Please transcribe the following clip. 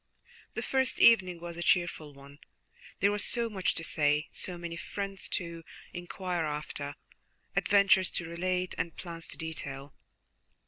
The first evening was a cheerful one, there was so much to say, so many friends to inquire after, adventures to relate, and plans to detail.